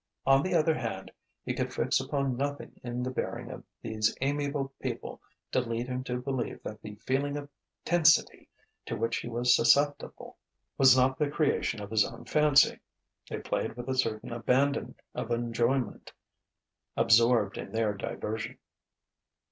On the other hand, he could fix upon nothing in the bearing of these amiable people to lead him to believe that the feeling of tensity to which he was susceptible was not the creation of his own fancy. They played with a certain abandon of enjoyment, absorbed in their diversion....